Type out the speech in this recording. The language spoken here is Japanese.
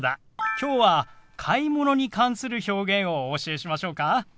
今日は買い物に関する表現をお教えしましょうか？